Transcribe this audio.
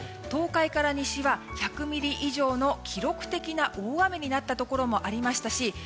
東海から西は１００ミリ以上の記録的な大雨になったところもありましたし